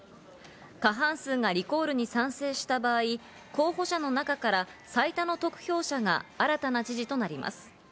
過半数がリコールに賛成した場合、候補者の中から最多の得票者が新たな知事となります。